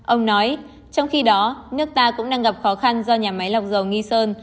ông nói trong khi đó nước ta cũng đang gặp khó khăn do nhà máy lọc dầu nghi sơn